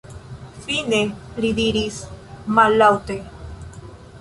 Fine li diris mallaŭte: